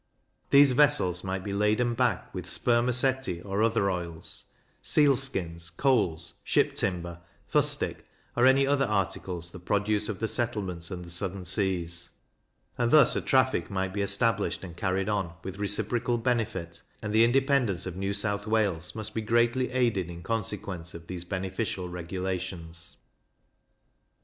These vessels might be laden back with spermaceti or other oils, seal skins, coals, ship timber, fustic, or any other articles the produce of the settlements and the Southern Seas; and thus a traffic might be established and carried on with reciprocal benefit, and the independence of New South Wales must be greatly aided in consequence of these beneficial regulations.